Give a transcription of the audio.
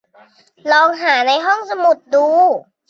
ลองหาในห้องสมุดดู